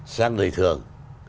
sang đời thường